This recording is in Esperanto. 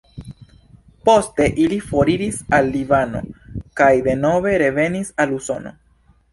Poste ili foriris al Libano kaj denove revenis al Usono.